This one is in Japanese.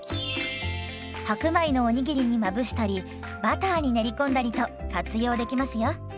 白米のお握りにまぶしたりバターに練り込んだりと活用できますよ。